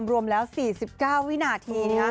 รวมแล้ว๔๙วินาที